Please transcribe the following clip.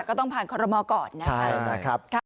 ก็ต้องผ่านคอรมอก่อนนะครับ